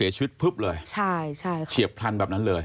เฉียบพันแบบนั้นเลย